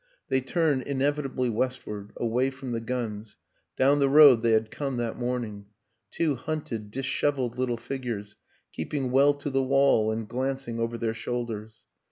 They turned inevitably westward away from the guns down the road they had come that morning: two hunted, disheveled little figures, keeping well to the wall and glancing over their shoulders.